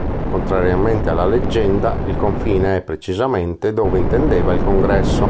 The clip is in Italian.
Contrariamente alla leggenda, il confine è precisamente dove intendeva il Congresso.